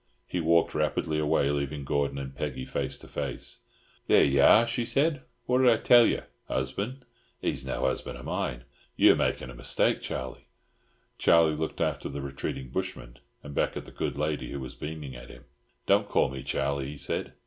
He walked rapidly away, leaving Gordon and Peggy face to face. "There y'are," she said, "what did I tell ye? Husban'? He's no husban' o' mine. Ye're makin' a mistake, Charlie." Charlie looked after the retreating bushman, and back at the good lady who was beaming at him. "Don't call me Charlie," he said.